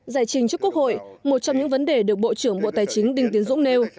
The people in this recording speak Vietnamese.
giải trình trước quốc hội một trong những vấn đề được bộ trưởng bộ tài chính đinh tiến dũng nêu